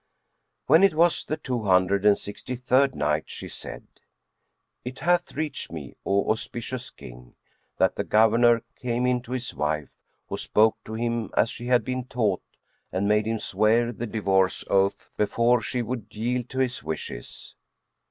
When it was the Two Hundred and Sixty third Night, She said, It hath reached me, O auspicious King, that the Governor came in to his wife, who spoke to him as she had been taught and made him swear the divorce oath before she would yield to his wishes.